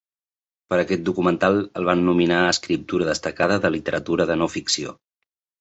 Per aquest documental, el van nominar a escriptura destacada de literatura de no-ficció.